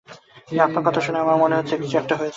কিন্তু আপনার কথা শুনে আমার মনে হচ্ছে, কিছু-একটা হয়েছে।